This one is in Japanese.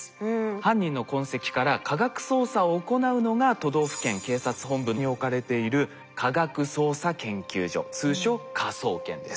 犯人の痕跡から科学捜査を行うのが都道府県警察本部に置かれている科学捜査研究所通称科捜研です。